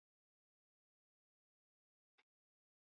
In Dedekind domains, the situation is much simpler.